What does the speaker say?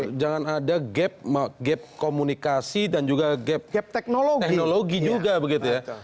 jadi jangan ada gap komunikasi dan juga gap teknologi juga begitu ya